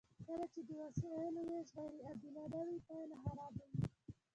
کله چې د وسایلو ویش غیر عادلانه وي پایله خرابه وي.